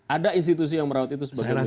ada institusi yang merawat itu sebagai negara